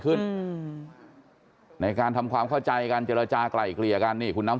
อืมในการทำความเข้าใจกันเจรจากลายเกลี่ยกันนี่คุณน้ำ